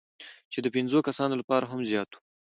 چې د پنځو کسانو لپاره هم زیات وو،